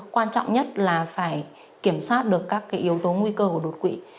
quan trọng nhất là phải kiểm soát được các yếu tố nguy cơ của đột quỵ